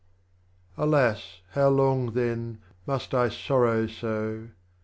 Alas, how long, then, must I sorrow so